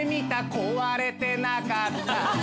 「壊れてなかった」